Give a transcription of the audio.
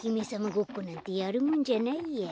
ごっこなんてやるもんじゃないや。